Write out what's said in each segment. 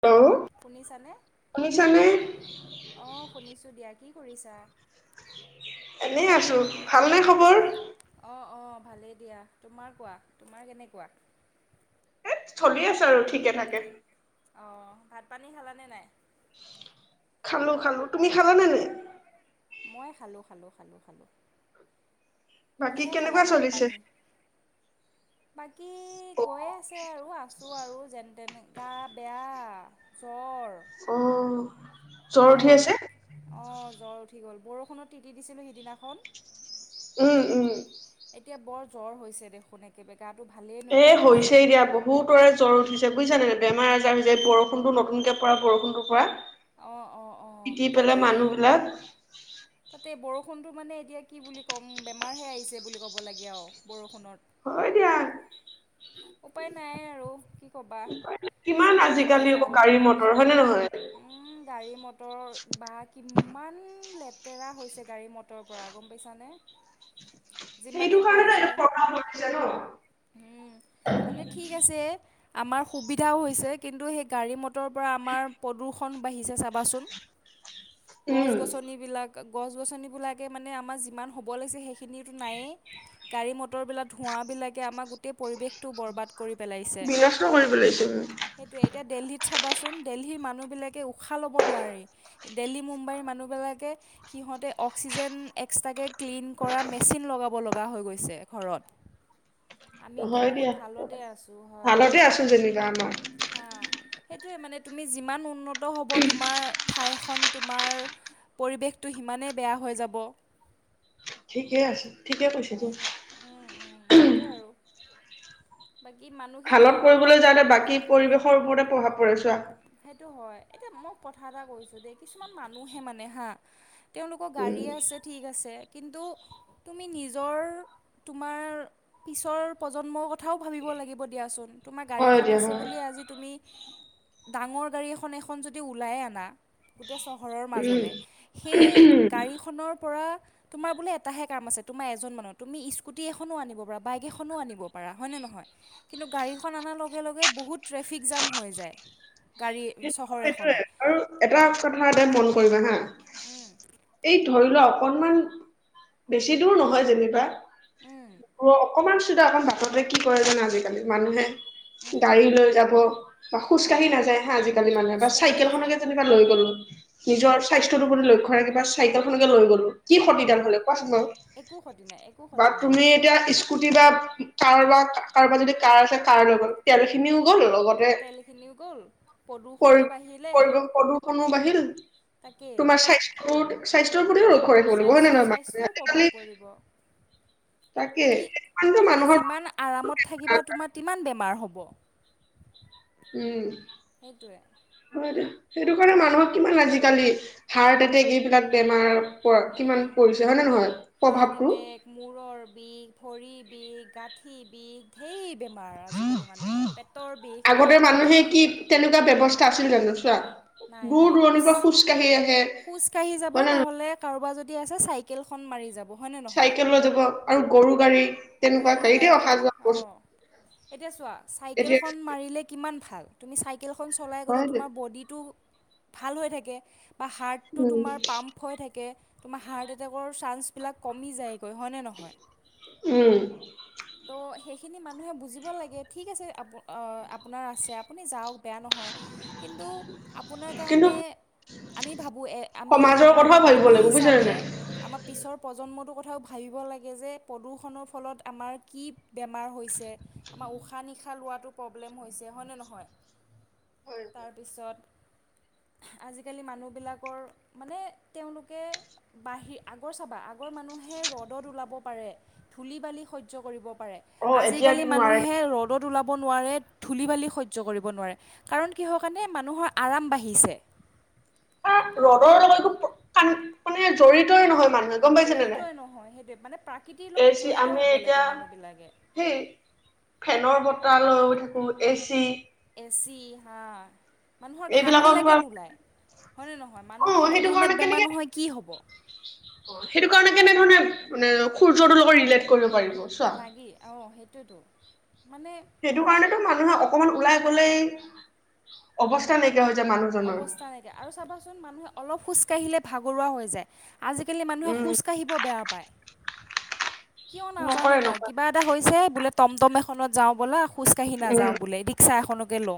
Hello শুনিছানে? শুনিছানে অঁ শুনিছোঁ দিয়া কি কৰিছা এনেই আছো ভালনে খবৰ অঁ অঁ ভালেই দিয়া তোমাৰ কোৱা তোমাৰ কেনেকুৱা এ চলি আছ আৰু ঠিকে থাকে অঁ ভাত পানী খালানে নাই খালো খালো তুমি খালা নে নে মই খালোঁ খালোঁ খালোঁ খালোঁ বাকী কিহে খালা কেনেকুৱা ভাত চলিছে পানী? বাকী গৈয়ে আছে আৰু আছোঁ আৰু যেনে তেনে গা বেয়া জ্বৰ অ জ্বৰ উঠি বৰ আছে? এক অ জ্বৰ উঠি গ'ল বৰষুণত তিতি দিছিলোঁ সিদিনাখন উম উম এতিয়া বৰ জ্বৰ হৈছে দেখোন একেব এ হৈছে এতিয়য়া বহুতৰে জ্বৰ উঠিছে বুজিছানে নাই বেমাৰ আজাৰ হৈ যায় এই বৰষুণটো নতুনকৈ পৰা বৰষুণৰ পৰা অ অ অ তিতি পেলাই তাতে মানুহ বিলাক তাতে বৰষুণ বৰষুণটো মানে এতিয়া কি বুলি ক'ম বেমাৰহে আহিছে বুলি ক'ব লাগে আৰু বৰষুণত হয় দিয়া উপায় নাই আৰু কি ক'বা কিমান চবতে আজিকালি আকৌ ভেজাল গাড়ী মটৰ শাক হয় নে নহয়? গাড়ী ম মটৰ বা কিমান লেতেৰা হৈছে গাড়ী মটৰৰ পৰা গম পাইছানে সেইটো যিমানে কাৰণে কয় ন যে এটো প় হৈ জান মানে ঠিক আছে আমাৰ সুবিধাও হৈছে কিন্তু সেই গড়ী ম পৰা আমাৰ প্ৰদূষণ বাঢিছে চ বাচোন গছ উম গছনিবিলাকে মানে আমাৰ যিমান হ'ব লাগিছে সেইখিনিয়োটো নাইয়ে গাড়ী ম তৰবিলাক ধোঁৱাবিলাকে আমাৰ পৰিৱেশ বৰবাদ কৰি পেলাইছে বিনষ্ট কৰি পেলাইছে উম সেইটো এতিয়া দেলহিত চ কোৱাচোন দেলহীৰ মানুহবিলাকে উশাহ ল'ব নোৱাৰি। দেলহী মুম্বাইৰ মানুহবিলাকে সিহঁতে অক্সিজেন এক্সট্ৰাকৈ ক্লিন কৰা মেচিন লগাব লগা হৈ গৈছে ঘৰত। তো হয় বহুত দিয়া ভালতে আছো হয়। ভালতে আছো যেনিবা আমাৰ হা। সেইটোৱে মানে তুমি যিমান উন্নত হ'ব তোমাৰ ঠাই এখন তোমাৰ পৰিৱেশটো সিমানেই বেয়া হৈ যাব। ঠিকে আছে। ঠিকে কৈছে দে সেই উম উম সেইটোৱে আৰু। বাকী মানুহখিনিয়ে ভালত আমাৰ কৰিবলৈ যাওঁতে বাকী পৰিবেশৰ ওপৰতে প্ৰভাৱ পৰে চোৱা সেটো হয়। এতিয়া মই কথা এটা কৈছোঁ দেই কিছুমান মানুহে মানে হা তেওঁলোকৰ উম গাড়ীয়ে আছে, ঠিক আছে। কিন্তু তুমি নিজৰ তোমাৰ পিছৰ প্ৰজন্মৰ কথ থাও ভাবিব লাগিব দিয়াচোন তোমাৰ হয় গাড়ীখন দিয়া আছে হয় বুলি আজি তুমি ডাঙৰ গাড়ী এখন এখন যদি ওলাই আনা। তে চহৰৰ উম মাজলে সে গাড়ীখনৰ পৰা তোমাৰ বোলে এটাহে কাম আছে তোমাৰ এজন মানুহ তুমি স্কুটি এখনো আনিব পাৰা বাইক এখনো আনিব পাৰা হয়নে নহয় কিন্তু গাড়ীখন অনাৰ লগে লগে বহুত ট্ৰেফিক জাম হৈ যায় গাড়ী সেই চহৰ এখনত সেইটোয়ে আৰু এটা কথা দেন মন কৰিবা হা এই ধৰি লোৱা অকণমান বেছি দূৰ নহয় যেনিবা [unintelligible] অকণমান চুধা অকণ বাটতে কি কৰে যানা আজিকালি মানুহে গাড়ী লৈ যাব বা উম, খোজকাঢ়ি নাযায় আজিকালি মানে বা খোজকাঢ়ি চাইকেল নাযায় খনেকে যেনিবা লৈ গ'লো উম, নিজৰ স্বাস্থ্যটো প্ৰতি লক্ষ্য ৰাখিবা চাইকেলখনকে লৈ গ'লো কি খতিদাল উম, হলে কোৱাচোন বাও একো ক্ষতি নাই একো বা ক্ষতি নাই তুমি এতিয়া স্কুটি বা কাৰ বাক কাৰোবাৰ যদি কাৰ আছে কাৰ লৈ গ'ল তেলখিনিও গ'ল তেলখিনিও গ'ল প্ৰদূষণো প্ৰ বাঢ়িলে প্ৰদূ প্ৰদূষনো বাঢ়িল তোমাৰ স্বাস্থ্যত স্বাস্থ্য টোৰো স্ব স্বাস্থ্যও প্ৰভাৱ পৰিব। তাকে তুমি মানুহৰ যিমান আৰামত থাকিবা তোমাৰ টিমান বেমাৰ হব। ব' উম সেইটোৱে। হয় সেইটো কাৰণে মানুহক কিমান আজিকালি হাৰ্ট এটেক এইবিলাক বেমাৰ কিমান উম পৰিছে হয় নে নহয় হাৰ্ট প্ৰভাৱটো এটেক, মূৰৰ বিষ, ভৰি বিষ, গাত পৃথিৱী ধেইৱ বেমাৰ আজি কালি মানুহৰ পেটৰ বিষ আমা চিগ নছা নাই নাই খোজ হয় খোজ কঢ়ি যাব নে নহয় নহলে কাৰোবাৰ যদি আছে চাইক কেলখন মাৰি যাব। হয়নে নহয় চাইকেল লৈ যাব আৰু গৰু গাড়ী। তেনেকুৱা গৰু গাড়ীতে গাড়ী অহা যোৱা বস্তু অ' এতিয়া চোৱা এতিয়া চাইকেলখন মাৰিলে কিমান ভাল তুমি চাই কেলখন চলাই গ'লে হয় দে। তোমাৰ বডিটো ভাল হৈ থাকে। বা হাৰ্টটো উম তোমাৰ পাম্প হৈ থাকে। তোমাৰ হাৰ্ট এটেকৰ চান্সবিলাক কমি যায়। কৈ হয় নে নহয়? উম ত' সেইখিনি মানুহে বুজিব লাগে ঠিক আছে আ অ' আপোনাৰ আছে আপুনি যওক বেয়া নহয়। কিন্তু আপোনাৰ কিন্তু কাৰণে আমি ভাবোঁ এ- আমি সমাজৰ মানে কথাও ভাবিব মানু্হ লাগিব বুজিছা নে হিচাপে নাই আমাৰ পিছৰ প্ৰজন্মটো কথাও ভাবিব লাগে যে প্ৰদূষণৰ ফলত আমাৰ কি বেমাৰ হৈছে, আমাৰ উশাহ-নিশাহ লোৱাতো প্ৰব্লেম হৈছে, হয়নে নহয়? হয় হয় তাৰপিছত আজিকালি মানুহবিলাকৰ মানে তেওঁলোকে বাহিৰ- আগৰ চাবা, আগৰ মানুহে ৰ'দত ওলাব পাৰে, ধূলি-বালি স হ্য কৰিব পাৰে। অ এতিয়া আজিকালি কি নোৱাৰে মানুহে ৰ'দত ওলা ব নোৱাৰে, ধুলি-বালি সহ্য কৰিব নোৱাৰে। কাৰণ কিহৰ কাৰণে? মানুহৰ আৰাম বাঢ়িছে। ৰ'দৰ লগত একো কা- মানে জড়িতই নহয় মানুহ জড়িতই নহয়, সেইটোৱে। মানে প্ৰাকৃতিৰ এ লগত চি জড়িত আমি হব এতিয়া লাগে মানুহবিলাকে। তাহ লৈও থাকোঁ, এ চি। এ চি, হা। মানুহৰ এইবিলাকৰ পৰা ঘামবিলাকে নোলায়, হয়নে নহয়? মানুহৰ অ সেইটো কাৰণে মধুমেদ বেমাৰ কেনেকে নহয় কি হ'ব? অ' সেইটো কাৰণে কেনেধৰণে- মানে সূৰ্যটোৰ লগত ৰিলেট কৰিব পাৰি লাগি, অ' সেইটোৱেতো। মানে সেইটো কাৰণেটো মানুহে অকণমান ওলাই [unintelligible] অৱস্থা নাই অৱস্থা নাইকিয়া আৰু চাবাচোন মানুহে অলপ খোজকাঢ়িলে ভাগৰুৱা হৈ যায়। আজিকালি মানুহে উম, খোজ কাঢ়িব বেয়া পাই। কিয় নাজানো নকৰে মই নকৰে কিবা এটা হৈছে বোলে টমটমে খনত যাওঁ ব'লা। খোজকাঢ়ি উম, নাযাওঁ বুলি ৰিক্সাখনক গেল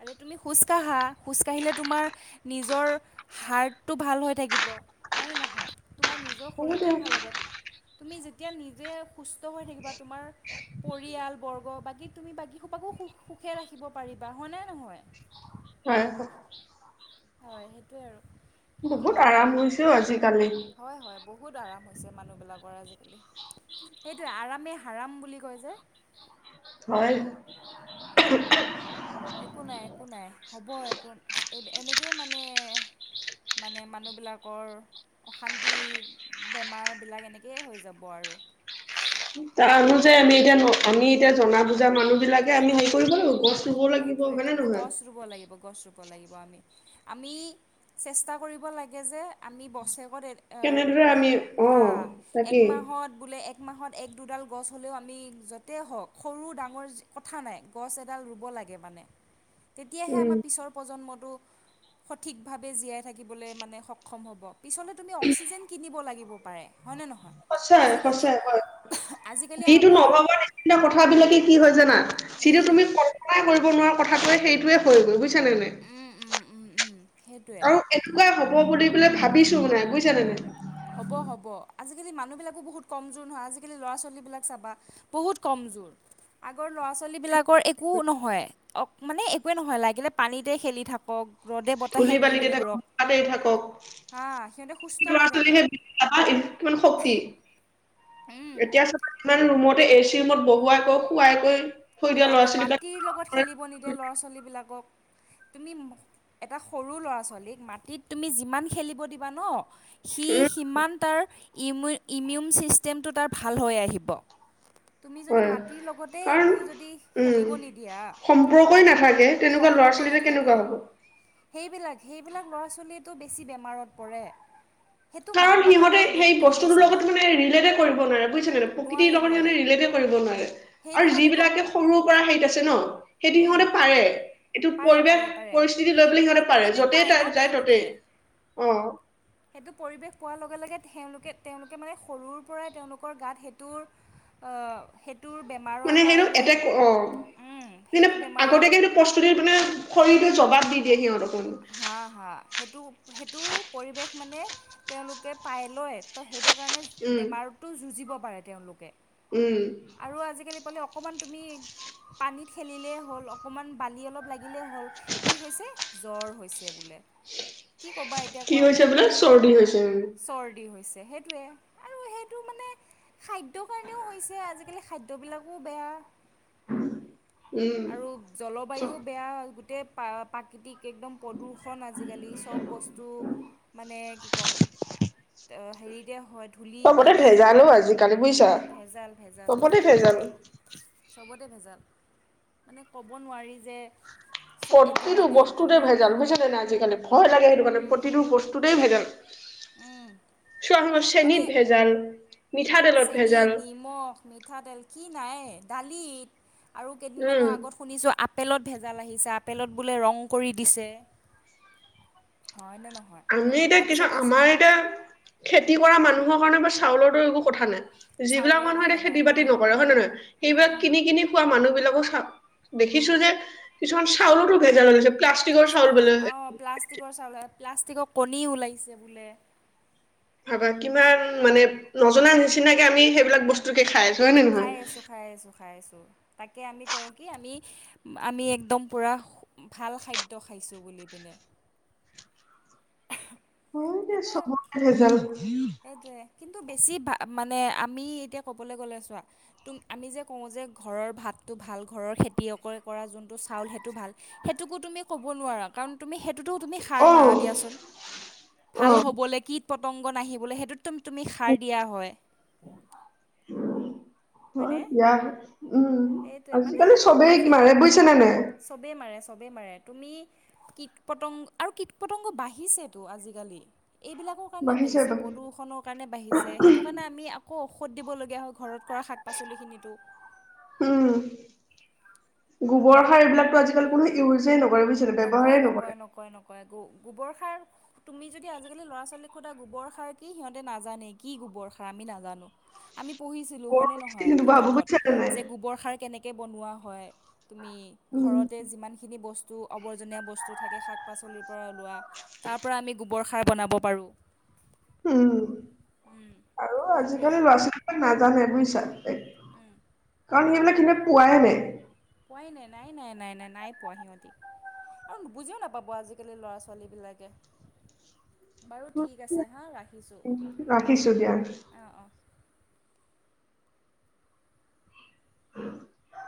আৰে তুমি খোজ কাঢ়া। খোজকাঢ়িলে তোমাৰ নিজৰ হাৰ্টটো ভাল হৈ থাকি ব হয় নে নহয়? তোমাৰ নিজৰ হ'ব দে শৰীৰটোৱে ভাল হ'ব তুমি যে এতিয়া নিজে সুস্থ হৈ থাকিবা তোমাৰ পৰিয়ালবৰ্গ বাকী তুমি বাকীসপাকো সুখ সুখে ৰাখিব পাৰিবা হয়নেই নহয়। হয় হয়। হয় সেইটোৱে আৰু। কিন্তু কি বহুত আৰাম ক'বা হৈ হৈছেও আজিকালি। হয় হয় বহুত আৰাম হৈছে মানুহবিলাকৰ আজিকালি। সেইটোৱেই, আৰামেই হাৰাম বুলি কয় যে। হয়। একো নাই, একো নাই। হ'ব একো- এনেকেই মানে- মানে মানুহবিলাকৰ অশান্তি, বেমাৰবিলাক এনেকেই হৈ যাব আৰু। তাৰো যে আমি এতিয়া ন- আমি এতিয়া জনা-বুজা মানুহ বিলাকে আমি হেৰি সেইটোৱে কৰিব লাগিব, গছ ৰুব লাগিব, এইটোৱে হয়নে নহয়? গছ ৰুব লাগিব গছ ৰুব লাগিব আমি। আমি চেষ্টা কৰিব লাগে যে আমি বছে ত- কেনেদৰে আমি অ' হা, এক তাকেই মাহত বুলে এক এক মাহত এক-দুডাল গছ হ'লেও আমি য'তে হওঁক সৰু-ডাঙৰ কথা নাই। গছ এডাল ৰুব লাগে মানে। তেতিয়াহে উম, আমাৰ পিছৰ প্ৰজন্মত ৰু সঠিকভাৱে জীয়াই থাকিবলৈ মানে সক্ষম হ'ব। পিছলে তুমি অক্সিজেন কিনিব লাগিব পাৰে, হয়নে ন সচাই - সচাই, হয়। আজিকালি যিটো আমাৰ নভবাৰ নিচিনা কথাবিলাকে কি হয় জানা? যিটো উম তুমি কল্পনাই কৰিব নোৱাৰা কথাটোৱে সেইটোয়ে হৈ গ'ল বুইছা নে নাই? উম উম উম উম সেইটোৱে আৰু এনেকুৱা হব বুলি বোলে ভাবিছোঁ মানে, বুইছা নে নাই? হ'ব - হ'ব। আজিকালি মানুহবিলাকো বহুত কমজোৰ নহয়। আজিকালি ল'ৰা-ছোৱালীবিলাক চাবা, বহুত কমজোৰ। আগৰ ল'ৰা-ছোৱালীবিলাকৰ একো নহয়। অ'- মানে একোৱেই নহয়, লাগিলে পানীতে খেলি থাকক। ৰ'দে বতাহে ধূলি ঘূৰি বালিতে থাকক ফুৰক কৰবাতেই থাকক হা সিহঁতে সুস্থ হৈ ল'ৰা ছোৱালী থাকে হে যি তাৰ পৰা কিমান শক্তি এতিয়া চব ইমান ৰুমত তে এ চি ৰুমত বহুৱাই গৈ খুৱাই গৈ- খুৱাব মাটিৰ লগত খেলিব নিদিয়ে ল'ৰা ছোৱালীবিলাকক। তুমি এটা সৰু ল'ৰা ছোৱালীক মাটিত তুমি যিমান খেলিব দিবা ন সি উম সিমান তাৰ ইমিউ ইমিউন ছিষ্টেমটো তাৰ ভাল হৈ আহিব। তুমি যদি হয় মাটিৰ লগতে কাৰণ কো যদি উম খেলিব নিদিয়া সম্পৰ্কই নাথাকে তেনেকুৱা ল'ৰা সম্পৰ্ক ছোৱালীৰে নাথাকে কেনেকুৱা হ'ব সেইবিলাক সেইবিলাক ল'ৰা ছোৱালী তো বেছি বেমাৰত পৰে। সেইটো মাক কাৰণ সিহতে বাপেকৰ দুখ সেই গম বস্তুটোৰ পাইছানে লগত মানে ৰিলেটে কৰিব নোৱাৰে বুজিছে নে প্ৰকৃতিৰ নোৱাৰে লগত সানে নোৱাৰে ৰিলেটে কৰিব নোৱাৰে। সেইটো আৰু কাৰণেতো যিবিলাকে সৰুৰ পৰা হেত আছে ন সেইটো উম, সিহতে পাৰে এইটো পাৰে পৰিৱেশ পাৰে পাৰে পৰিস্থিতি লৈ পেললে সেইটো সিহতে পাৰে পৰিৱেশ যতেই পায় ন তাক যায় তেওঁলোকে ততেই অহ। সেইটো পৰিৱেশ পোৱাৰ লগে - লগে তেওলোকে তেওলোকে মানে সৰুৰ পৰাই তেওলোকৰ গাত সেইটোৰ স তোৰ বেমাৰৰ কাৰণে কিন্তু সেইটো বেমাৰৰ আগতীয়াকে এইটো প্ৰস্তুতি মানে খৰি জবাব দি দিয়ে সিহতক হা - হা। সেইটো - সেইটো পৰিৱেশ মানে তেওঁলোকে পাই লয় তো সেইটো কাৰণে উম বেমাৰতো যুজিব। পাৰে তেওঁলোকে। উম। মানে অকমান কি পানী খেলিলে হল অকণমান পানী লাগিলেই হল। ইলে হ'ল কি হৈছে। জ্বৰ। হৈছে বোলে। কি ক'বা এতিয়া কি কোৱা হৈছে বোলে চৰ্দি হৈছে। চৰ্দি হৈছে সেইটোৱে আৰু সেইটো মানে খাদ্যৰ কাৰণেও হৈছে আজিকালি খাদ্যবিলাকো বেয়া। উম। আৰু জলবায়ু বেয়া গোটেই প্ৰাকৃতিক একদম প্ৰদূৰষণ আজিকালি চব বস্তু মানে কি ক'ম। হেৰিতে হয় ধূলি চবতে বালি ভেজালো আজিকালি বুজিছা ভেজাল - ভেজাল। চবতে ভেজাল চবতে ভেজাল মানে ক'ব নোৱাৰি যে। চ এইটো প্ৰতিটো মানে একদম বস্তুতে ভেজাল বুজছিনে নাই আজিকালি ভয় লাগে। সেইটো কাৰানে প্ৰতিটো বস্তুতেই ভেজাল। সশ মানে চেনিত ভেজাল মিঠাতেলত চেনি ভেজাল নিমখ মিঠাতেল কি নাই দালিত আৰু কেইদিনমানৰ উম আগত শুনিছোঁ আ আপেলত ভেজাল আহিছে আপেলত বোলে ৰং কৰি দিছে হয়নে নহয় আমি এতিয়া কিছু তাৰপিছত কৈছে আমাৰ এতিয়া খেতি কৰা মানুহ কাৰণে বা চাউলৰ একো কথা নাই যিবিলাক চাউলৰ মানুহ কথা এতিতে নাই খেতি বাতি উম নকৰে হয় নে নহয় উম সেইবিলাক উম কিনি কিনি খোৱা মানুহ বিলাকো চাওক দেখিছো যে কিছুমান চাউলতো ভেজাল হৈগৈছে চাউল অ প্লাষ্টিকৰ চাউল প্লাষ্টিকৰ কণী ওলাইছে বোলে বা কিমান মানে নজনা নিচিনাকে আমি সেইবিলাক বস্তু কে খাই আছো হয় নে নহয় খাই আছো খাই আছো খাই আছো তাকে আমি কওঁ কি আমি আমি একদম পূৰা ভাল খাদ্য খাইছোঁ বুলি পিনে হয়নে চবটে ভেজাল এইেইটোৱে কিন্তু বেছি মানে আমি এতিয়া ক'বলৈ গ'লে চোৱা তু আমি যে কওঁ যে ঘৰৰ ভাতটো ভাল ঘৰৰ খেতিয়কে কৰা যোনটো চাউল সেইটো ভাল সেইটোকো তুমি ক'ব নোৱাৰা কাৰণ তুমি অ অ স পটংগ নাহিব বোলে সেইটো ম তুমি সাৰ দিয়া হয় অ হয়নে ইয় উম সেইটোৱে মানে আজিকালি চবেই কি মাৰে বুজছে নে নাই চবে মাৰে তুমি কী পতংগ আৰু কীট পতংগ বাঢ়িছেতো আজিকালি এইবিলাকৰ কাৰণে বাঢ়িছে প্ৰদূষণৰ কাৰণে বাঢ়িছে সেইটো কাৰণে আমি আকৌ ঔষধ দিবলগীয়া হয় ঘৰত কৰা শাক পাচলিখিনিতো উম গোবৰ সাৰ এইবিলাকো আজিকাল কোনো ইউজে নহয় নকয় নকয় নকয় নকয়ৌ গোবৰ সাৰ তুমি যদি আজিকালি ল'ৰা ছোৱালীক সোধা গোবৰ সাৰ কি সিহঁতে নাজানে কি গোবৰ সাৰ আমি নাজানো আমি পঢ়িছিলোঁ হয়নে নহয় গৰু ধুৱাব কিতাপত বুজিছানে নাই যে গোবৰ সাৰ কেনেকৈ বনোৱা হয় তুমি উম ঘৰতে যিমানখিনি বস্তু টো অবৰ্জনিয়া বস্তু থাকে শক পাচলি পৰা উলোৱা তাৰ পৰা আমি গুব গোবৰ খাই বনাব পাৰোঁ উম। আৰু সেইটোৱে আজিকালি ল'ৰা ছোৱালীবিলাক নাজানে বুজিছা। [inaudible] উম। কাৰণ সেইবিলাক [unintelligible] পোৱাই নাই। পোৱাই নাই। নাই নাই নাই নাই, নাই পোৱা সিহঁতি। আৰু বুজিও নাপাব আজিকালি ল'ৰা ছোৱালী বিলাকে। বাৰু ঠিক আছে হাঁ ৰাখিছোঁ। ৰাখিছো দিয়া অঁ, অঁ। [unintelligible]